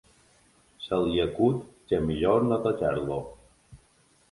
Se li acut que millor no tocar-lo.